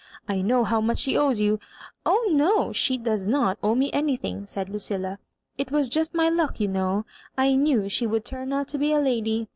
I know how much she owes to you "" Oh, no, she does not owe me anythmg," said Ludlla. '* It was just my luck, you know. I knew she would turn out to be a lady.